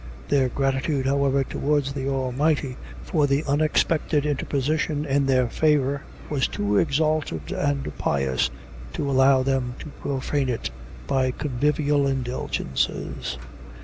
Their gratitude, however, towards the Almighty for the unexpected interposition in their favor, was too exalted and pious to allow them to profane it by convivial indulgences.